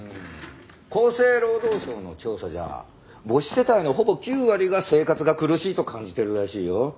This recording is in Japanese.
厚生労働省の調査じゃ母子世帯のほぼ９割が生活が苦しいと感じているらしいよ。